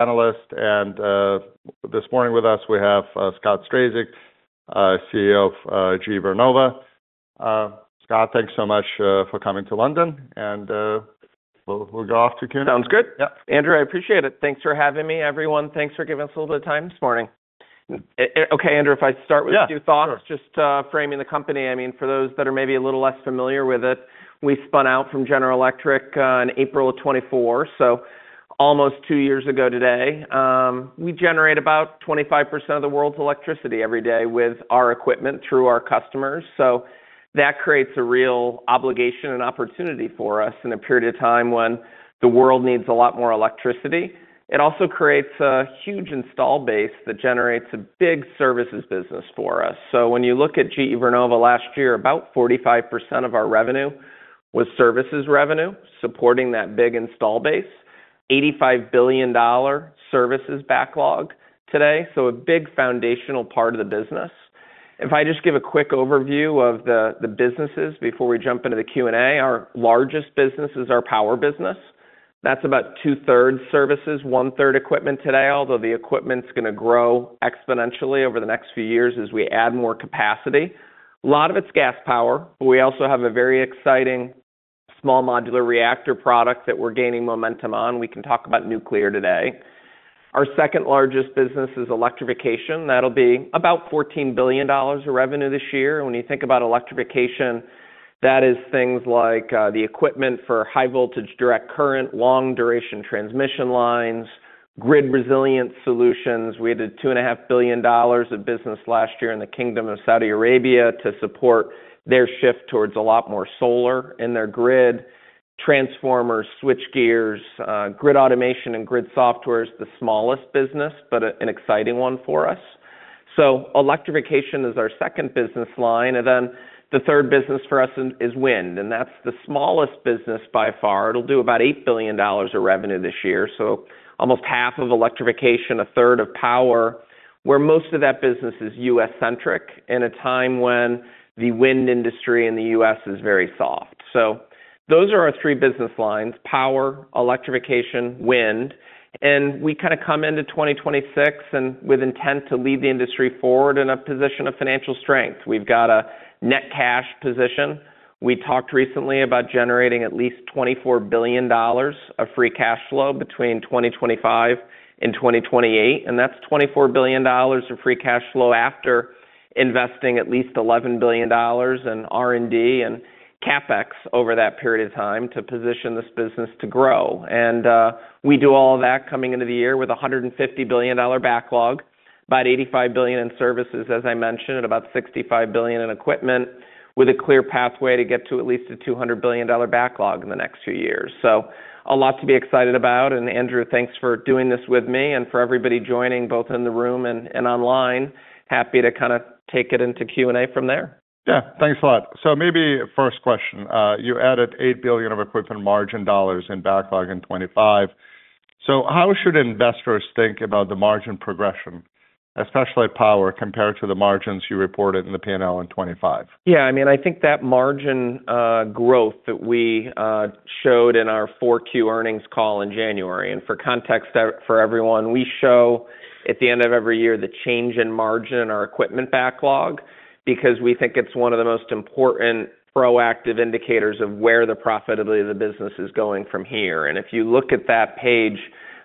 Panelist, this morning with us we have Scott Strazik, CEO of GE Vernova. Scott, thanks so much for coming to London, and we'll go off to Q&A. Sounds good. Yeah. Andrew, I appreciate it. Thanks for having me, everyone. Thanks for giving us a little bit of time this morning. Okay, Andrew, if I start with a few thoughts. Yeah. Sure. Just, framing the company, I mean, for those that are maybe a little less familiar with it, we spun out from General Electric in April of 2024, so almost two years ago today. We generate about 25% of the world's electricity every day with our equipment through our customers. So that creates a real obligation and opportunity for us in a period of time when the world needs a lot more electricity. It also creates a huge install base that generates a big services business for us. When you look at GE Vernova last year, about 45% of our revenue was Services Revenue supporting that big install base. $85 billion services backlog today, so a big foundational part of the business. If I just give a quick overview of the businesses before we jump into the Q&A, our largest business is our Power business. That's about 2/3 services, 1/3 equipment today, although the equipment's gonna grow exponentially over the next few years as we add more capacity. A lot of it's Gas power, but we also have a very exciting small modular reactor product that we're gaining momentum on. We can talk about nuclear today. Our second largest business is Electrification. That'll be about $14 billion of revenue this year. When you think about Electrification, that is things like the equipment for High Voltage Direct Current, long duration transmission lines, grid resilient solutions. We did $2.5 billion of business last year in the Kingdom of Saudi Arabia to support their shift towards a lot more solar in their grid. Transformers, switch gears, grid automation and grid software is the smallest business, but an exciting one for us. Electrification is our second business line. The third business for us is Wind, and that's the smallest business by far. It'll do about $8 billion of revenue this year, so almost half of Electrification, a third of Power, where most of that business is U.S.-centric in a time when the Wind industry in the U.S. is very soft. Those are our three business lines, Power, Electrification, Wind. We kind of come into 2026 with intent to lead the industry forward in a position of financial strength. We've got a net cash position. We talked recently about generating at least $24 billion of free cash flow between 2025 and 2028, and that's $24 billion of free cash flow after investing at least $11 billion in R&D and CapEx over that period of time to position this business to grow. We do all of that coming into the year with a $150 billion backlog, about $85 billion in services, as I mentioned, and about $65 billion in equipment, with a clear pathway to get to at least a $200 billion backlog in the next few years. A lot to be excited about, and Andrew, thanks for doing this with me and for everybody joining both in the room and online. Happy to kind of take it into Q&A from there. Yeah, thanks a lot. Maybe first question, you added $8 billion of equipment margin in backlog in 2025. How should investors think about the margin progression, especially power, compared to the margins you reported in the P&L in 2025? Yeah, I mean, I think that margin growth that we showed in our Q4 earnings call in January, and for context for everyone, we show at the end of every year the change in margin in our equipment backlog because we think it's one of the most important proactive indicators of where the profitability of the business is going from here. If you look at that page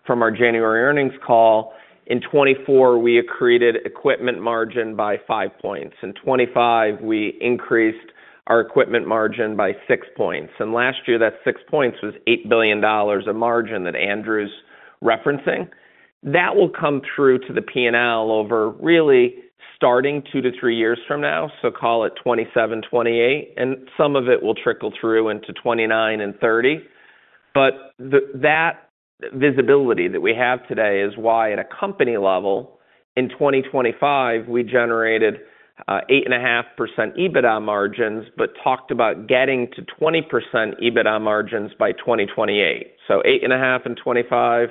from our January earnings call, in 2024, we accreted equipment margin by five points. In 2025, we increased our equipment margin by six points. Last year, that six points was $8 billion of margin that Andrew's referencing. That will come through to the P&L over really starting 2 years-3 years from now. Call it 2027, 2028, and some of it will trickle through into 2029 and 2030. That visibility that we have today is why at a company level, in 2025, we generated 8.5% EBITDA margins, but talked about getting to 20% EBITDA margins by 2028. 8.5% and 2025,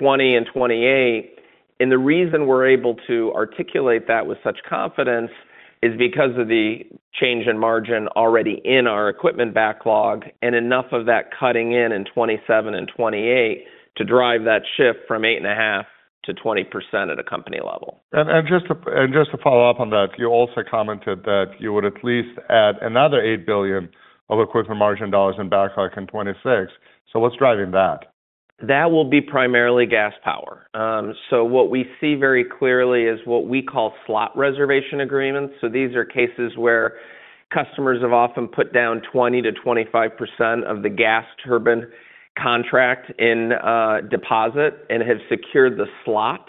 20% and 2028. The reason we're able to articulate that with such confidence is because of the change in margin already in our equipment backlog and enough of that coming in in 2027 and 2028 to drive that shift from 8.5%-20% at a company level. Just to follow up on that, you also commented that you would at least add another $8 billion of equipment margin dollars in backlog in 2026. What's driving that? That will be primarily Gas Power. What we see very clearly is what we call Slot Reservation Agreements. These are cases where customers have often put down 20%-25% of the gas turbine contract in deposit and have secured the slot,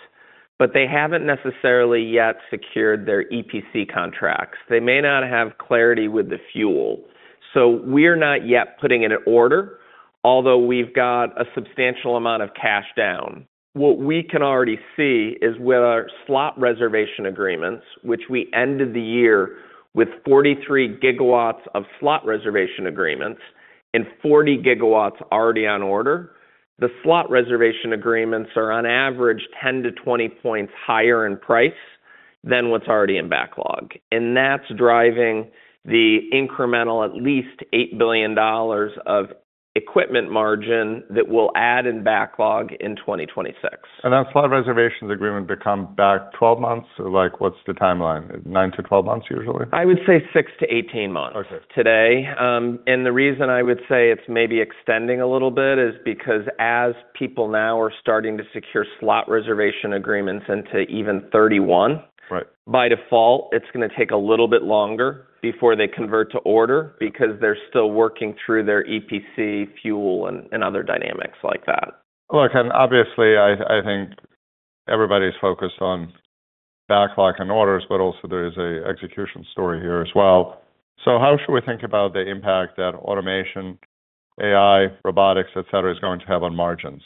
but they haven't necessarily yet secured their EPC contracts. They may not have clarity with the fuel. We're not yet putting in an order, although we've got a substantial amount of cash down. What we can already see is with our Slot Reservation Agreements, which we ended the year with 43 GW of Slot Reservation Agreements and 40 GW already on order, the Slot Reservation Agreements are on average 10 points-20 points higher in price than what's already in backlog. That's driving the incremental at least $8 billion of equipment margin that we'll add in backlog in 2026. Slot Reservation Agreements backlog 12 months? Like, what's the timeline? 9 months-12 months usually? I would say 6 months-18 months. Okay. Today. The reason I would say it's maybe extending a little bit is because as people now are starting to secure Slot Reservation Agreements into even 2031. Right. By default, it's gonna take a little bit longer before they convert to order because they're still working through their EPC fuel and other dynamics like that. Look, obviously, I think everybody's focused on backlog and orders, but also there is a execution story here as well. How should we think about the impact that automation, AI, robotics, et cetera, is going to have on margins?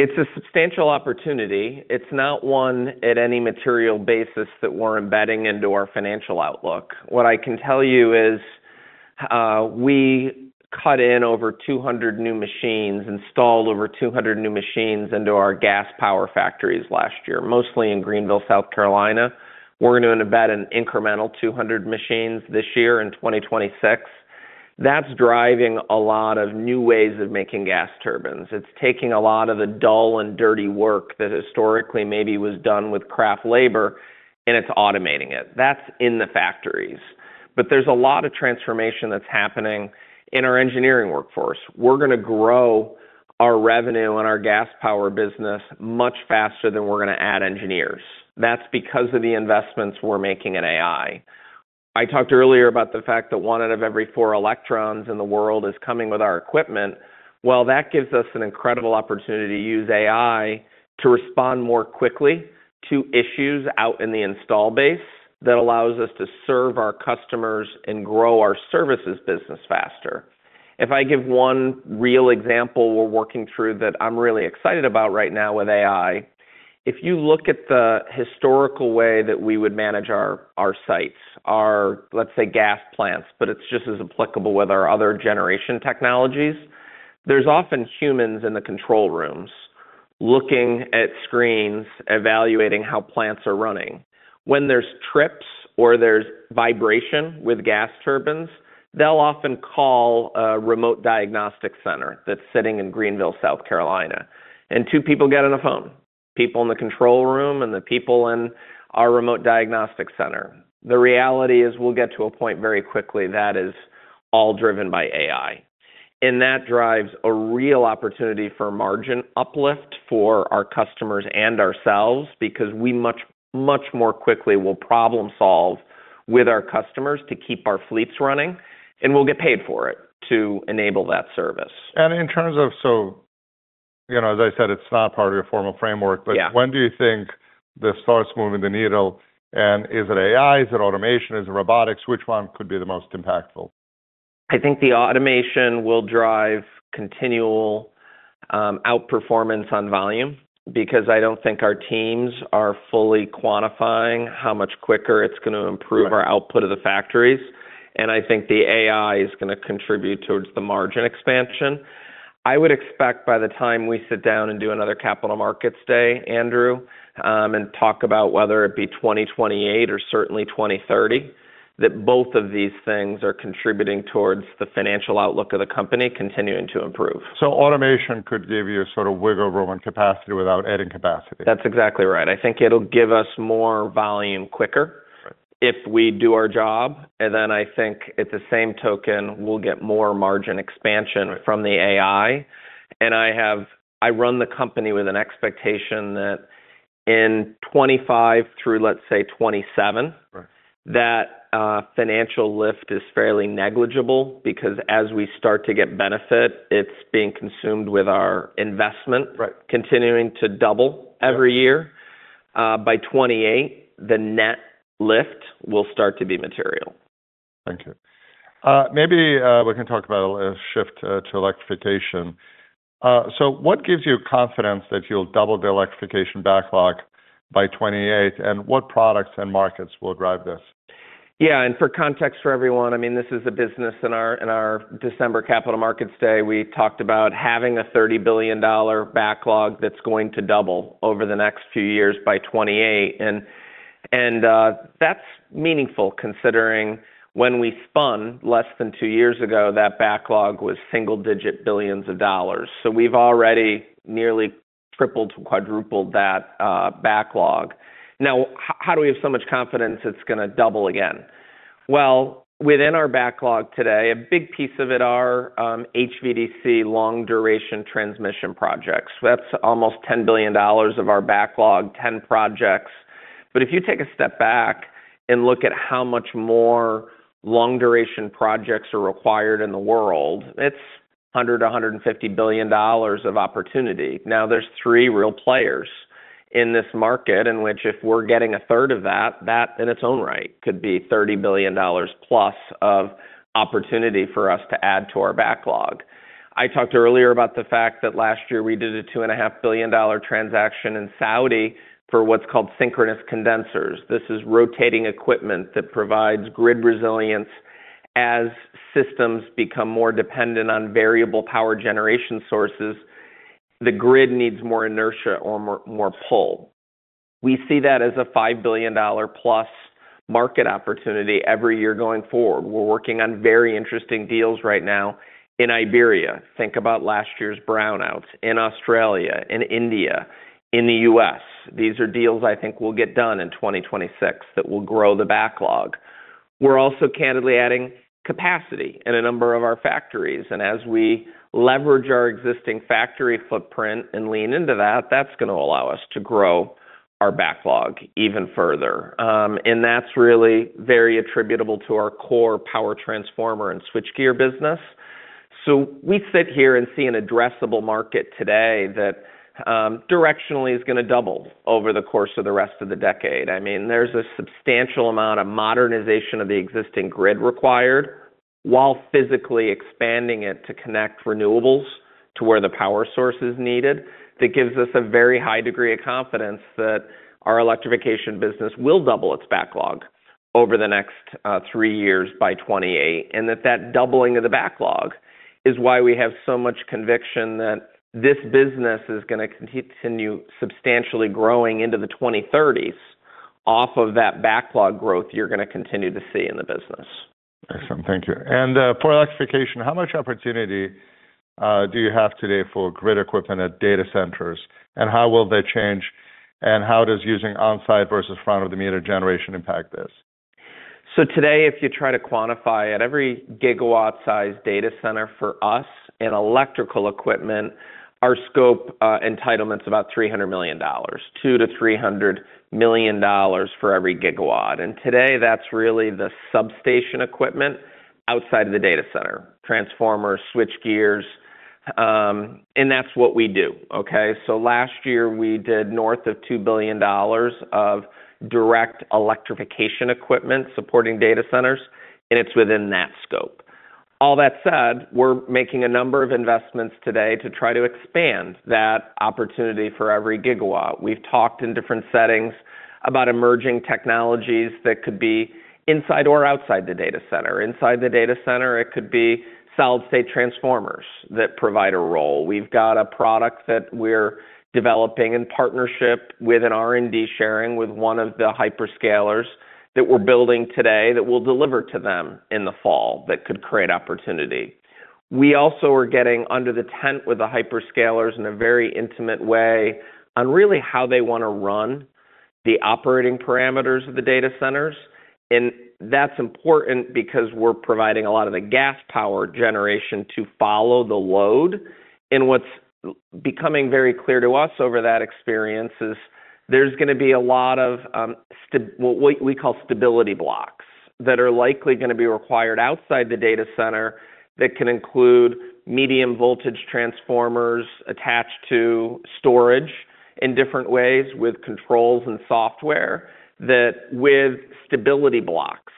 It's a substantial opportunity. It's not one at any material basis that we're embedding into our financial outlook. What I can tell you is, we cut in over 200 new machines, installed over 200 new machines into our Gas Power factories last year, mostly in Greenville, South Carolina. We're gonna embed an incremental 200 machines this year in 2026. That's driving a lot of new ways of making gas turbines. It's taking a lot of the dull and dirty work that historically maybe was done with craft labor, and it's automating it. That's in the factories. There's a lot of transformation that's happening in our engineering workforce. We're gonna grow our revenue and our gas power business much faster than we're gonna add engineers. That's because of the investments we're making in AI. I talked earlier about the fact that one out of every four electrons in the world is coming with our equipment. Well, that gives us an incredible opportunity to use AI to respond more quickly to issues out in the installed base that allows us to serve our customers and grow our services business faster. If I give one real example we're working through that I'm really excited about right now with AI, if you look at the historical way that we would manage our sites, let's say, gas plants, but it's just as applicable with our other generation technologies, there's often humans in the control rooms looking at screens, evaluating how plants are running. When there's trips or there's vibration with gas turbines, they'll often call a remote diagnostic center that's sitting in Greenville, South Carolina. Two people get on the phone, people in the control room and the people in our remote diagnostic center. The reality is we'll get to a point very quickly that is all driven by AI. That drives a real opportunity for margin uplift for our customers and ourselves because we much, much more quickly will problem solve with our customers to keep our fleets running, and we'll get paid for it to enable that service. In terms of, you know, as I said, it's not part of your formal framework. Yeah. When do you think this starts moving the needle? Is it AI? Is it automation? Is it robotics? Which one could be the most impactful? I think the automation will drive continual outperformance on volume because I don't think our teams are fully quantifying how much quicker it's gonna improve. Right. Our output of the factories. I think the AI is gonna contribute towards the margin expansion. I would expect by the time we sit down and do another Capital Markets Day, Andrew, and talk about whether it be 2028 or certainly 2030, that both of these things are contributing towards the financial outlook of the company continuing to improve. Automation could give you a sort of wiggle room and capacity without adding capacity? That's exactly right. I think it'll give us more volume quicker. If we do our job, and then I think by the same token, we'll get more margin expansion from the AI. I run the company with an expectation that in 2025 through, let's say, 2027. Right. That financial lift is fairly negligible because as we start to get benefit, it's being consumed with our investment. Right. Continuing to double every year. By 2028, the net lift will start to be material. Thank you. Maybe we can talk about a shift to electrification. What gives you confidence that you'll double the electrification backlog by 2028, and what products and markets will drive this? Yeah. For context for everyone, I mean, this is a business in our December Capital Markets Day. We talked about having a $30 billion backlog that's going to double over the next few years by 2028. That's meaningful considering when we spun less than two years ago, that backlog was single-digit billions of dollars. We've already nearly tripled to quadrupled that backlog. Now, how do we have so much confidence it's gonna double again? Well, within our backlog today, a big piece of it are HVDC long-duration transmission projects. That's almost $10 billion of our backlog, 10 projects. If you take a step back and look at how much more long-duration projects are required in the world, it's $100 billion-$150 billion of opportunity. Now there's three real players in this market in which if we're getting 1/3 of that in its own right could be $30 billion+ of opportunity for us to add to our backlog. I talked earlier about the fact that last year we did a $2.5 billion transaction in Saudi for what's called Synchronous Condensers. This is rotating equipment that provides grid resilience as systems become more dependent on variable power generation sources. The grid needs more inertia or more pull. We see that as a $5 billion+ market opportunity every year going forward. We're working on very interesting deals right now in Iberia. Think about last year's brownouts in Australia, in India, in the U.S. These are deals I think will get done in 2026 that will grow the backlog. We're also candidly adding capacity in a number of our factories, and as we leverage our existing factory footprint and lean into that's gonna allow us to grow our backlog even further. That's really very attributable to our core power transformer and switchgear business. We sit here and see an addressable market today that, directionally is gonna double over the course of the rest of the decade. I mean, there's a substantial amount of modernization of the existing grid required while physically expanding it to connect renewables to where the power source is needed. That gives us a very high degree of confidence that our electrification business will double its backlog over the next three years by 2028. And that doubling of the backlog is why we have so much conviction that this business is gonna continue substantially growing into the 2030s off of that backlog growth you're gonna continue to see in the business. Excellent. Thank you. For Electrification, how much opportunity do you have today for grid equipment at data centers, and how will they change, and how does using on-site versus front of the meter generation impact this? Today, if you try to quantify at every gigawatt-sized data center for us in electrical equipment, our scope, entitlement's about $300 million. $200 million-$300 million for every gigawatt. Today, that's really the substation equipment outside of the data center, transformers, switchgears, and that's what we do, okay? Last year, we did north of $2 billion of Direct Electrification Equipment supporting data centers, and it's within that scope. All that said, we're making a number of investments today to try to expand that opportunity for every gigawatt. We've talked in different settings about emerging technologies that could be inside or outside the data center. Inside the data center, it could be solid-state transformers that provide a role. We've got a product that we're developing in partnership with an R&D sharing with one of the hyperscalers that we're building today that we'll deliver to them in the fall that could create opportunity. We also are getting under the tent with the hyperscalers in a very intimate way on really how they wanna run the operating parameters of the data centers. That's important because we're providing a lot of the Gas Power generation to follow the load. What's becoming very clear to us over that experience is there's gonna be a lot of what we call stability blocks that are likely gonna be required outside the data center that can include medium voltage transformers attached to storage in different ways with controls and software that with stability blocks,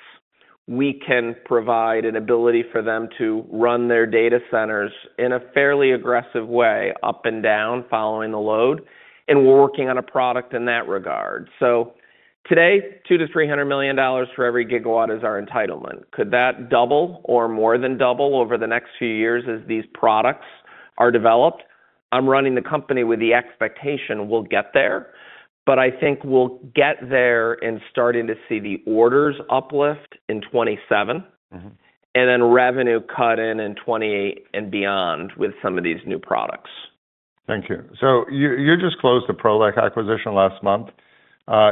we can provide an ability for them to run their data centers in a fairly aggressive way up and down following the load, and we're working on a product in that regard. Today, $200 million-$300 million for every gigawatt is our entitlement. Could that double or more than double over the next few years as these products are developed? I'm running the company with the expectation we'll get there, but I think we'll get there in starting to see the orders uplift in 2027. Mm-hmm. Revenue kicks in 2028 and beyond with some of these new products. Thank you. You just closed the Prolec GE acquisition last month.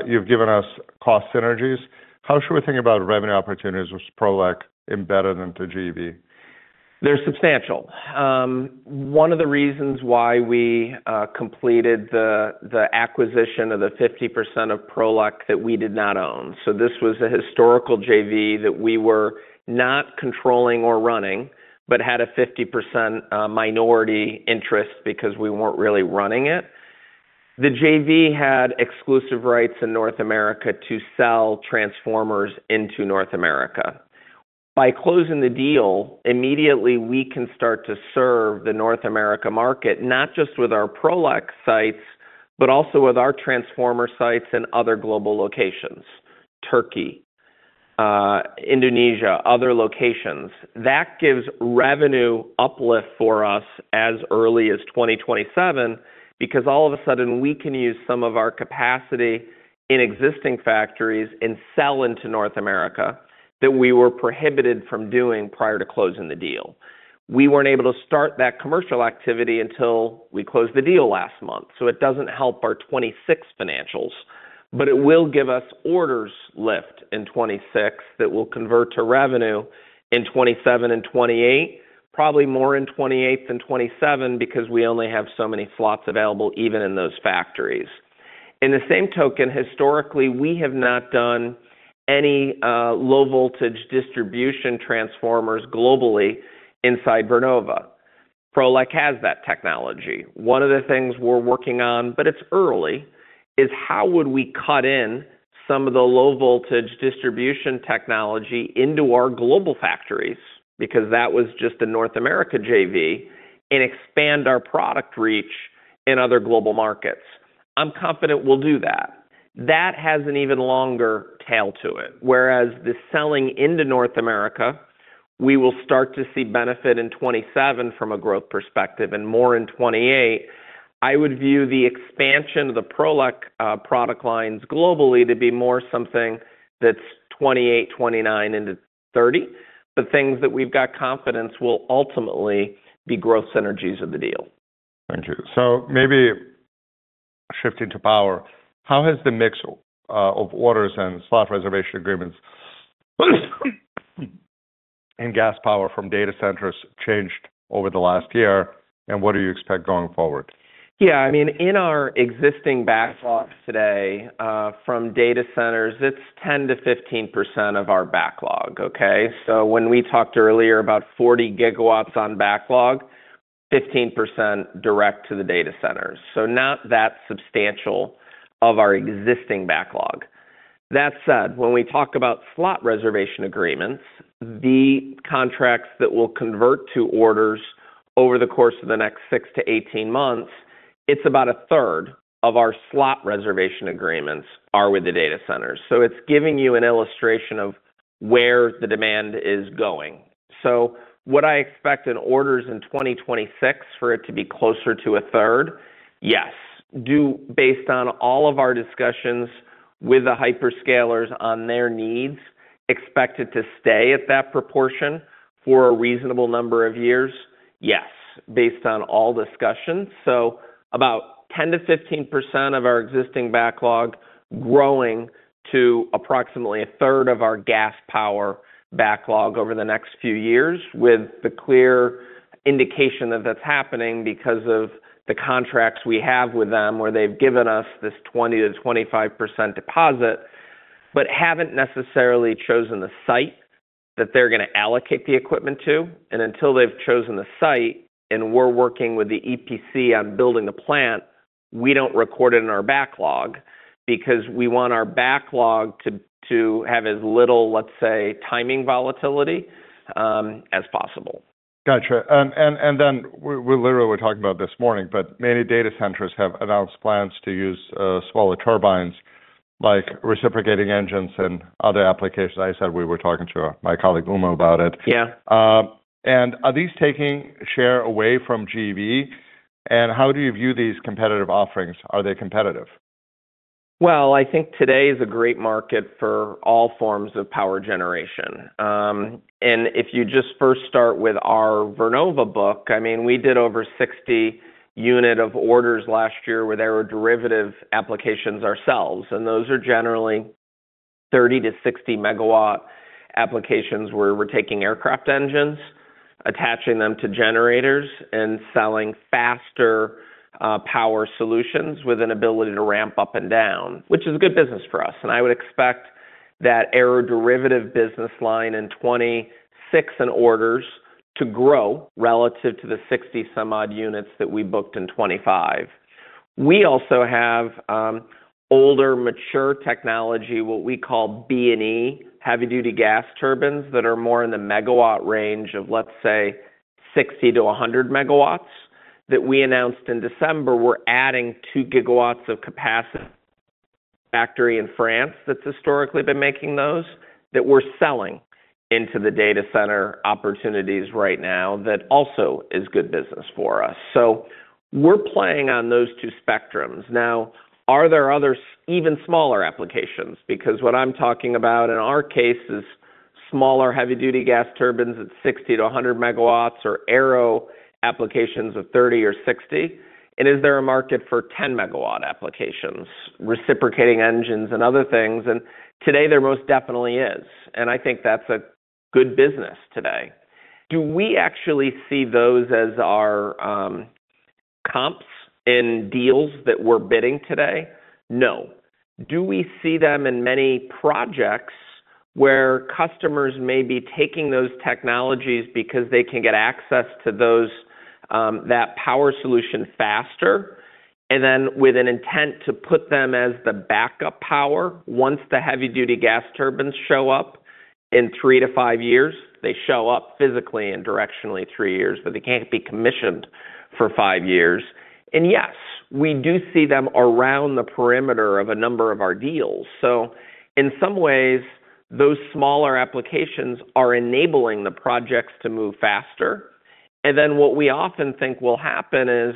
You've given us cost synergies. How should we think about revenue opportunities with Prolec GE embedded into GE Vernova? They're substantial. One of the reasons why we completed the acquisition of the 50% of Prolec GE that we did not own. This was a historical JV that we were not controlling or running but had a 50% minority interest because we weren't really running it. The JV had exclusive rights in North America to sell transformers into North America. By closing the deal, immediately we can start to serve the North America market, not just with our Prolec GE sites, but also with our transformer sites in other global locations, Turkey, Indonesia, other locations. That gives revenue uplift for us as early as 2027 because all of a sudden, we can use some of our capacity in existing factories and sell into North America that we were prohibited from doing prior to closing the deal. We weren't able to start that commercial activity until we closed the deal last month, so it doesn't help our 2026 financials, but it will give us orders lift in 2026 that will convert to revenue in 2027 and 2028, probably more in 2028 than 2027 because we only have so many slots available even in those factories. In the same token, historically, we have not done any low voltage distribution transformers globally inside Vernova. Prolec has that technology. One of the things we're working on, but it's early, is how would we cut in some of the low voltage distribution technology into our global factories, because that was just a North America JV, and expand our product reach in other global markets. I'm confident we'll do that. That has an even longer tail to it, whereas the selling into North America. We will start to see benefit in 2027 from a growth perspective and more in 2028. I would view the expansion of the Prolec product lines globally to be more something that's 2028, 2029 into 2030, but things that we've got confidence will ultimately be growth synergies of the deal. Thank you. Maybe shifting to power, how has the mix of orders and slot reservation agreements and gas power from data centers changed over the last year, and what do you expect going forward? Yeah. I mean, in our existing backlogs today, from data centers, it's 10%-15% of our backlog, okay? When we talked earlier about 40 GW on backlog, 15% direct to the data centers, so not that substantial of our existing backlog. That said, when we talk about Slot Reservation Agreements, the contracts that will convert to orders over the course of the next 6 months-18 months, it's about a third of our Slot Reservation Agreements are with the data centers. It's giving you an illustration of where the demand is going. Would I expect in orders in 2026 for it to be closer to a third? Yes. Do based on all of our discussions with the hyperscalers on their needs expect it to stay at that proportion for a reasonable number of years? Yes, based on all discussions. About 10%-15% of our existing backlog growing to approximately a third of our Gas Power backlog over the next few years with the clear indication that that's happening because of the contracts we have with them, where they've given us this 20%-25% deposit, but haven't necessarily chosen the site that they're gonna allocate the equipment to. Until they've chosen the site and we're working with the EPC on building the plant, we don't record it in our backlog because we want our backlog to have as little, let's say, timing volatility as possible. Got you. Then we literally were talking about this morning, but many data centers have announced plans to use smaller turbines like reciprocating engines and other applications. I said we were talking to my colleague Uma about it. Yeah. Are these taking share away from GE Vernova? How do you view these competitive offerings? Are they competitive? Well, I think today is a great market for all forms of power generation. If you just first start with our Vernova book, I mean, we did over 60 units of orders last year where there were aeroderivative applications ourselves, and those are generally 30 MW-60 MW applications where we're taking aircraft engines, attaching them to generators and selling faster power solutions with an ability to ramp up and down, which is good business for us. I would expect that aeroderivative business line in 2026 in orders to grow relative to the 60-some-odd units that we booked in 2025. We also have older mature technology, what we call B/E heavy-duty gas turbines that are more in the megawatt range of, let's say, 60 MW-100 MW that we announced in December. We're adding 2 GW capacity factory in France that's historically been making those that we're selling into the data center opportunities right now. That also is good business for us. We're playing on those two spectrums. Now, are there other even smaller applications? Because what I'm talking about in our case is smaller heavy-duty gas turbines at 60 MW-100 MW or aero applications of 30 MW or 60 MW. Is there a market for 10-MW applications, reciprocating engines and other things? Today there most definitely is, and I think that's a good business today. Do we actually see those as our comps in deals that we're bidding today? No. Do we see them in many projects where customers may be taking those technologies because they can get access to those, that power solution faster and then with an intent to put them as the backup power once the heavy-duty gas turbines show up in 3 years-5 years? They show up physically and directionally 3 years, but they can't be commissioned for 5 years. Yes, we do see them around the perimeter of a number of our deals. In some ways, those smaller applications are enabling the projects to move faster. What we often think will happen is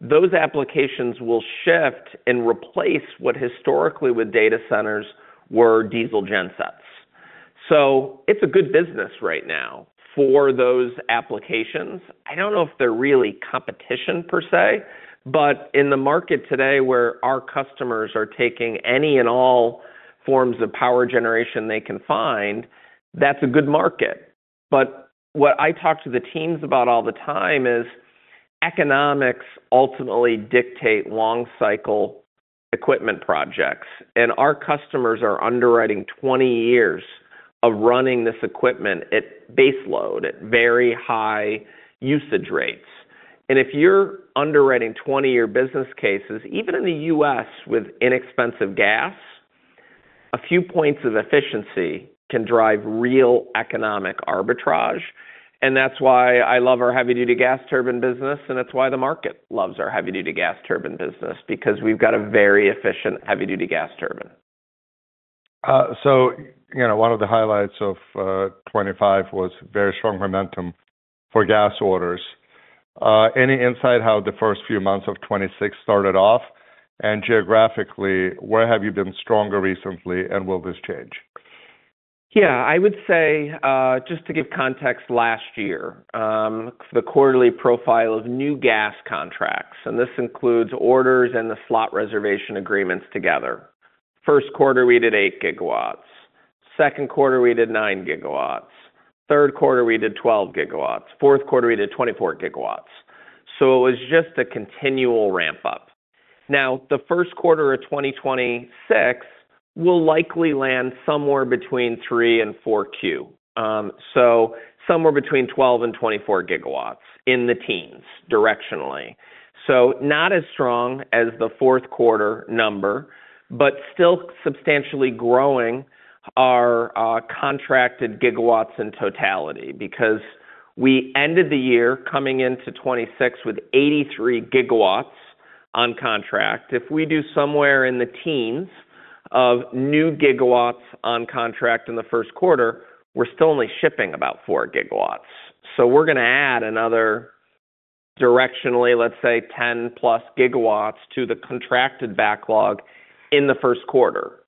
those applications will shift and replace what historically with data centers were diesel gensets. It's a good business right now for those applications. I don't know if they're really competition per se, but in the market today where our customers are taking any and all forms of power generation they can find, that's a good market. What I talk to the teams about all the time is economics ultimately dictate long cycle equipment projects, and our customers are underwriting 20 years of running this equipment at baseload at very high usage rates. If you're underwriting 20-year business cases, even in the U.S. with inexpensive gas, a few points of efficiency can drive real economic arbitrage. That's why I love our heavy-duty gas turbine business, and that's why the market loves our heavy-duty gas turbine business because we've got a very efficient heavy-duty gas turbine. You know, one of the highlights of 2025 was very strong momentum for gas orders. Any insight how the first few months of 2026 started off? Geographically, where have you been stronger recently, and will this change? Yeah. I would say just to give context, last year the quarterly profile of new gas contracts, and this includes orders and the Slot Reservation Agreements together. First quarter, we did 8 GW. Second quarter, we did 9 GW. Third quarter, we did 12 GW. Fourth quarter, we did 24 GW. It was just a continual ramp-up. Now, the first quarter of 2026 will likely land somewhere between 3Q and 4Q. So somewhere between 12 GW and 24 GW in the teens directionally. Not as strong as the fourth quarter number, but still substantially growing our contracted gigawatts in totality because we ended the year coming into 2026 with 83 GW on contract. If we do somewhere in the teens of new gigawatts on contract in the first quarter, we're still only shipping about 4 GW. We're gonna add another directionally, let's say, 10+ GW to the contracted backlog in the first quarter.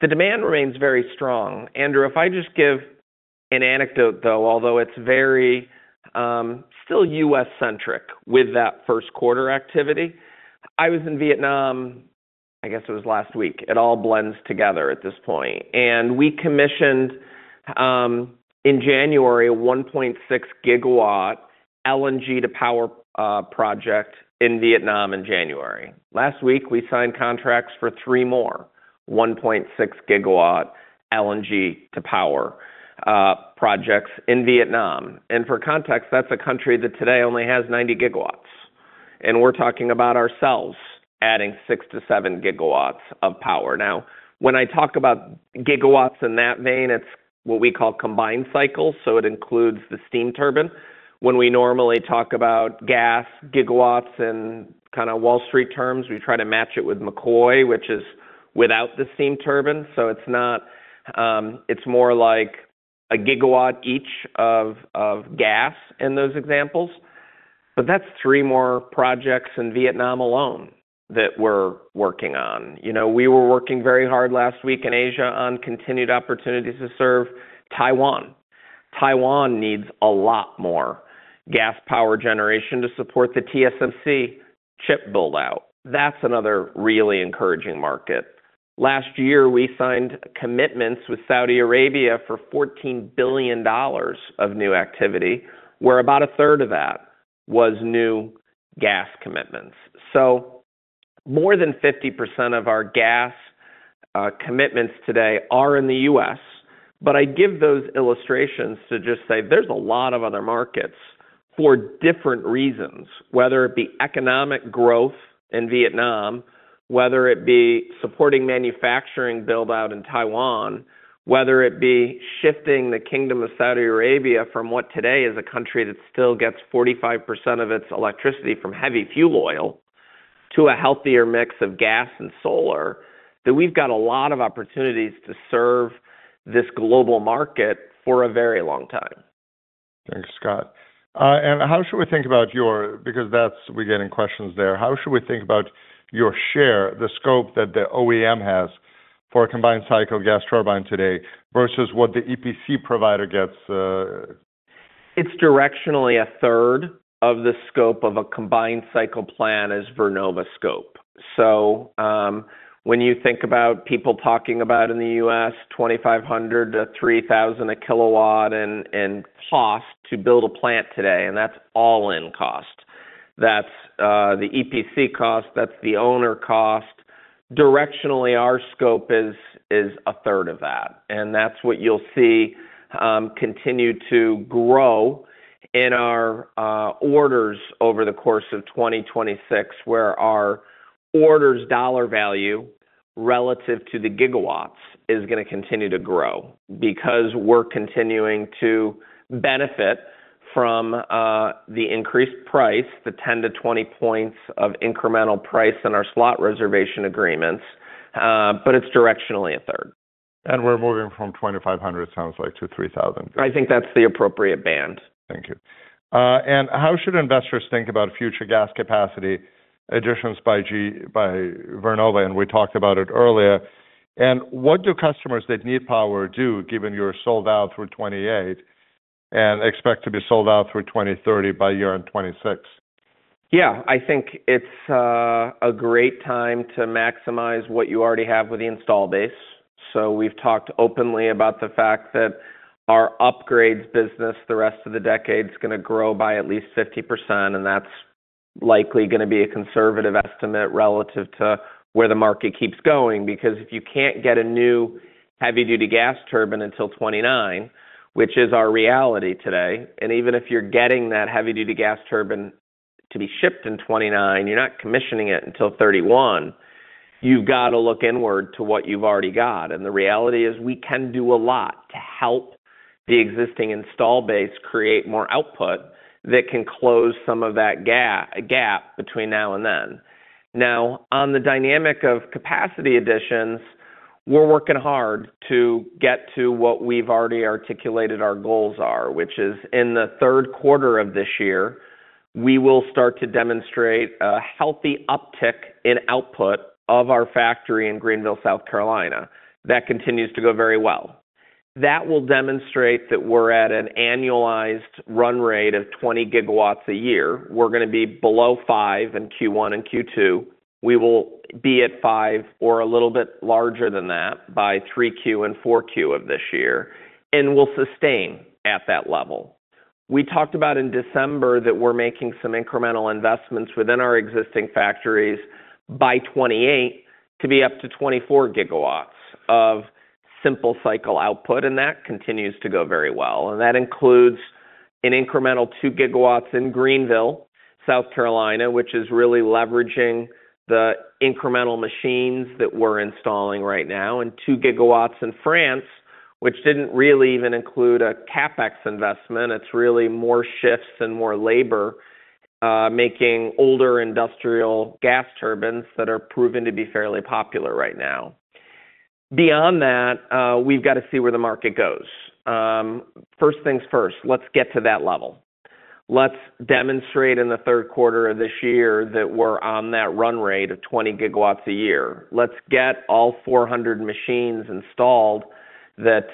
The demand remains very strong. Andrew, if I just give an anecdote, though, although it's very still U.S.-centric with that first quarter activity. I was in Vietnam, I guess it was last week. It all blends together at this point. We commissioned in January a 1.6-GW LNG-to-power project in Vietnam in January. Last week, we signed contracts for three more 1.6-GW LNG-to-power projects in Vietnam. For context, that's a country that today only has 90 GW, and we're talking about ourselves adding 6 GW-7 GW of power. Now, when I talk about gigawatts in that vein, it's what we call Combined Cycle, so it includes the Steam Turbine. When we normally talk about gas gigawatts in kind of Wall Street terms, we try to match it with McCoy, which is without the Steam Turbine. It's not. It's more like a gigawatt each of gas in those examples. That's three more projects in Vietnam alone that we're working on. You know, we were working very hard last week in Asia on continued opportunities to serve Taiwan. Taiwan needs a lot more gas power generation to support the TSMC chip build-out. That's another really encouraging market. Last year, we signed commitments with Saudi Arabia for $14 billion of new activity, where about a third of that was new gas commitments. More than 50% of our gas commitments today are in the U.S. I give those illustrations to just say there's a lot of other markets for different reasons, whether it be economic growth in Vietnam, whether it be supporting manufacturing build-out in Taiwan, whether it be shifting the Kingdom of Saudi Arabia from what today is a country that still gets 45% of its electricity from heavy fuel oil to a healthier mix of gas and solar, that we've got a lot of opportunities to serve this global market for a very long time. Thanks, Scott. We're getting questions there. How should we think about your share, the scope that the OEM has for a combined cycle gas turbine today versus what the EPC provider gets? It's directionally a third of the scope of a combined cycle plant is Vernova scope. When you think about people talking about in the U.S., $2,500-$3,000 a KW in cost to build a plant today, and that's all-in cost. That's the EPC cost, that's the owner cost. Directionally, our scope is a third of that, and that's what you'll see continue to grow in our orders over the course of 2026, where our orders dollar value relative to the gigawatts is gonna continue to grow because we're continuing to benefit from the increased price, the 10 points-20 points of incremental price in our Slot Reservation Agreements, but it's directionally a third. We're moving from $2,500, sounds like to $3,000. I think that's the appropriate band. Thank you. How should investors think about future gas capacity additions by GE Vernova? We talked about it earlier. What do customers that need power do, given you're sold out through 2028 and expect to be sold out through 2030 by year-end 2026? Yeah. I think it's a great time to maximize what you already have with the installed base. We've talked openly about the fact that our upgrades business the rest of the decade is gonna grow by at least 50%, and that's likely gonna be a conservative estimate relative to where the market keeps going. Because if you can't get a new heavy-duty gas turbine until 2029, which is our reality today, and even if you're getting that heavy-duty gas turbine to be shipped in 2029, you're not commissioning it until 2031, you've got to look inward to what you've already got. The reality is we can do a lot to help the existing installed base create more output that can close some of that gap between now and then. Now on the dynamic of capacity additions, we're working hard to get to what we've already articulated our goals are, which is in the third quarter of this year, we will start to demonstrate a healthy uptick in output of our factory in Greenville, South Carolina. That continues to go very well. That will demonstrate that we're at an annualized run rate of 20 GW a year. We're gonna be below 5 GW in Q1 and Q2. We will be at 5 GW or a little bit larger than that by Q3 and Q4 of this year, and we'll sustain at that level. We talked about in December that we're making some incremental investments within our existing factories by 2028 to be up to 24 GW of simple cycle output, and that continues to go very well. That includes an incremental 2 GW in Greenville, South Carolina, which is really leveraging the incremental machines that we're installing right now, and 2 GW in France, which didn't really even include a CapEx investment. It's really more shifts and more labor, making older industrial gas turbines that are proven to be fairly popular right now. Beyond that, we've got to see where the market goes. First things first, let's get to that level. Let's demonstrate in the third quarter of this year that we're on that run rate of 20 GW a year. Let's get all 400 machines installed that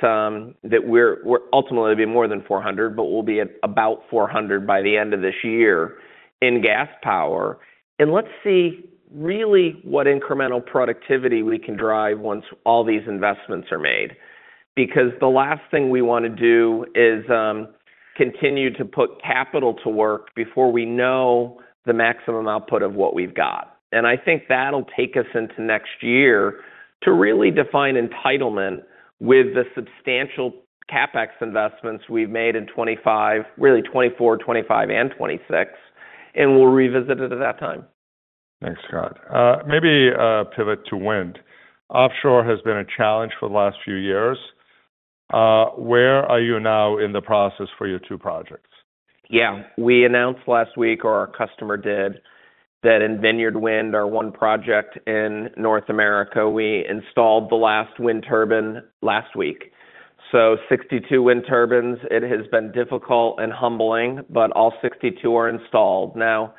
ultimately be more than 400, but we'll be at about 400 by the end of this year in gas power. Let's see really what incremental productivity we can drive once all these investments are made. Because the last thing we wanna do is continue to put capital to work before we know the maximum output of what we've got. I think that'll take us into next year to really define entitlement with the substantial CapEx investments we've made in 2025, really 2024, 2025 and 2026, and we'll revisit it at that time. Thanks, Scott. Maybe pivot to wind. Offshore has been a challenge for the last few years. Where are you now in the process for your two projects? Yeah. We announced last week, or our customer did, that in Vineyard Wind 1 project in North America, we installed the last wind turbine last week. 62 wind turbines. It has been difficult and humbling, but all 62 are installed. Now,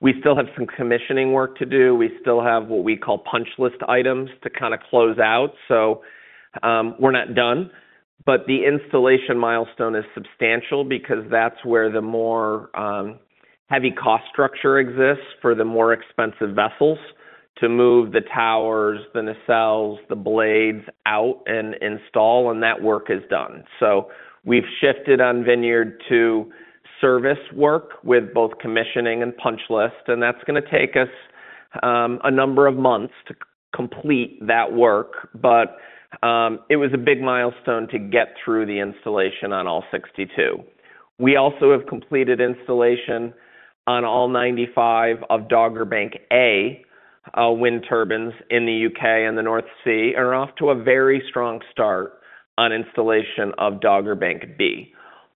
we still have some commissioning work to do. We still have what we call punch list items to kind of close out, so we're not done. The installation milestone is substantial because that's where the more heavy cost structure exists for the more expensive vessels to move the towers, the nacelles, the blades out and install, and that work is done. We've shifted on Vineyard to service work with both commissioning and punch list, and that's gonna take us a number of months to complete that work. It was a big milestone to get through the installation on all 62. We also have completed installation on all 95 of Dogger Bank A wind turbines in the U.K. North Sea are off to a very strong start on installation of Dogger Bank B.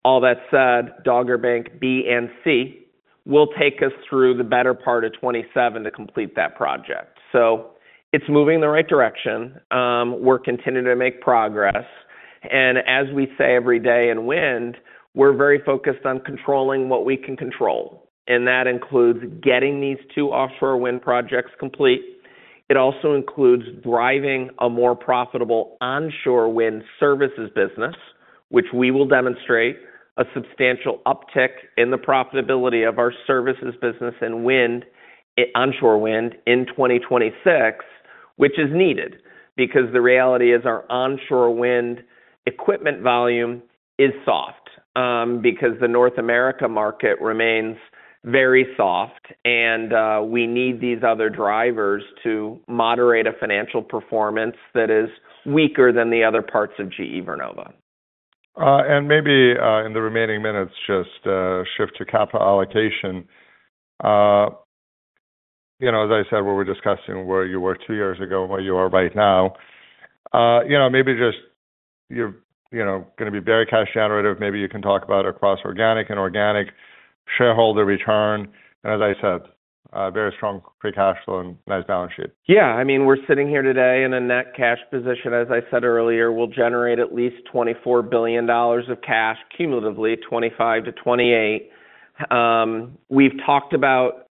All that said, Dogger Bank B and C will take us through the better part of 2027 to complete that project. It's moving in the right direction. We're continuing to make progress, and as we say every day in wind, we're very focused on controlling what we can control, and that includes getting these two offshore wind projects complete. It also includes driving a more profitable onshore Wind Services business, which we will demonstrate a substantial uptick in the profitability of our services business and wind, onshore wind in 2026, which is needed because the reality is our onshore wind equipment volume is soft, because the North America market remains very soft and, we need these other drivers to moderate a financial performance that is weaker than the other parts of GE Vernova. Maybe in the remaining minutes, just shift to capital allocation. You know, as I said, we were discussing where you were two years ago, where you are right now. You know, maybe just you're gonna be very cash generative. Maybe you can talk about across organic and inorganic shareholder return. As I said, very strong free cash flow and nice balance sheet? Yeah. I mean, we're sitting here today in a net cash position. As I said earlier, we'll generate at least $24 billion of cash cumulatively, $25 billion-$28 billion. We've talked about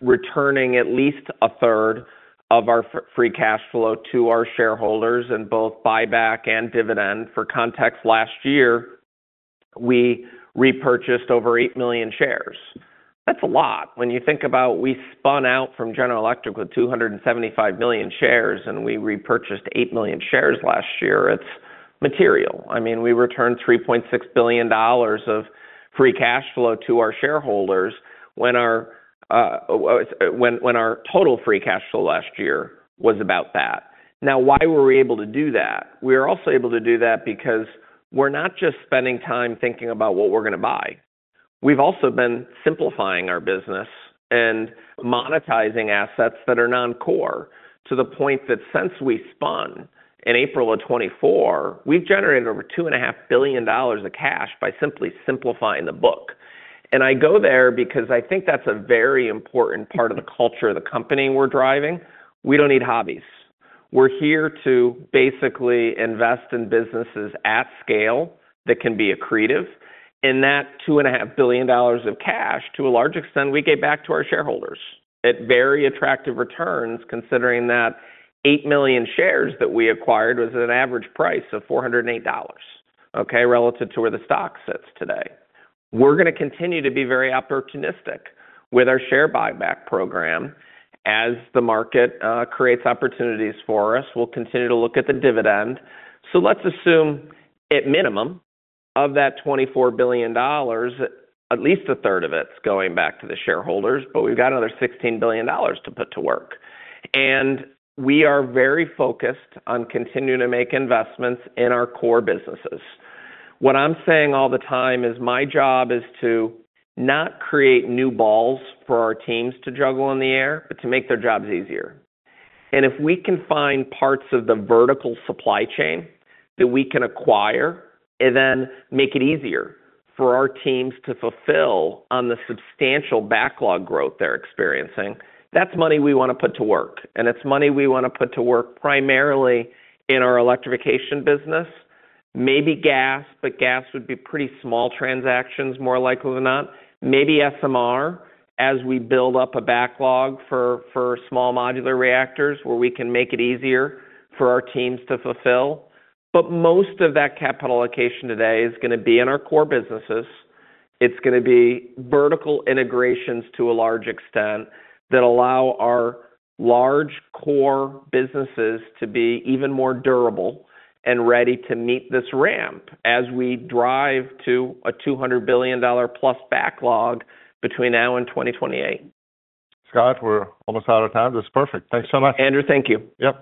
returning at least a third of our free cash flow to our shareholders in both buyback and dividend. For context, last year, we repurchased over 8 million shares. That's a lot. When you think about we spun out from General Electric with 275 million shares, and we repurchased 8 million shares last year, it's material. I mean, we returned $3.6 billion of free cash flow to our shareholders when our total free cash flow last year was about that. Now why were we able to do that? We were also able to do that because we're not just spending time thinking about what we're gonna buy. We've also been simplifying our business and monetizing assets that are non-core to the point that since we spun in April 2024, we've generated over $2.5 billion of cash by simply simplifying the book. I go there because I think that's a very important part of the culture of the company we're driving. We don't need hobbies. We're here to basically invest in businesses at scale that can be accretive. That $2.5 billion of cash, to a large extent, we gave back to our shareholders at very attractive returns, considering that 8 million shares that we acquired was at an average price of $408, okay, relative to where the stock sits today. We're gonna continue to be very opportunistic with our share buyback program. As the market creates opportunities for us, we'll continue to look at the dividend. Let's assume at minimum of that $24 billion, at least 1/3 of it's going back to the shareholders, but we've got another $16 billion to put to work. We are very focused on continuing to make investments in our core businesses. What I'm saying all the time is my job is to not create new balls for our teams to juggle in the air, but to make their jobs easier. If we can find parts of the vertical supply chain that we can acquire and then make it easier for our teams to fulfill on the substantial backlog growth they're experiencing, that's money we wanna put to work. It's money we wanna put to work primarily in our Electrification business, maybe gas, but gas would be pretty small transactions more likely than not, maybe SMR, as we build up a backlog for Small Modular Reactors where we can make it easier for our teams to fulfill. Most of that capital allocation today is gonna be in our core businesses. It's gonna be vertical integrations to a large extent that allow our large core businesses to be even more durable and ready to meet this ramp as we drive to a $200 billion+ backlog between now and 2028. Scott, we're almost out of time. That's perfect. Thanks so much. Andrew, thank you. Yep.